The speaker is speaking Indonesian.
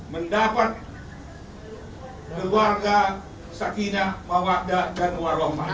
mendapat keluarga sakina mawakda dan warohmat